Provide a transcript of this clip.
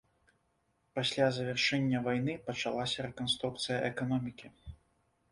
Пасля завяршэння вайны пачалася рэканструкцыя эканомікі.